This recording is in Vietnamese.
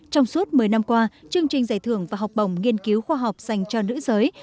trong suốt một mươi năm qua chương trình giải thưởng và học bổng nghiên cứu khoa học dành cho nữ giới